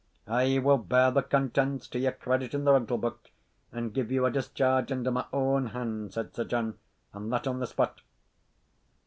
"I will bear the contents to your credit in the rental book, and give you a discharge under my own hand," said Sir John, "and that on the spot.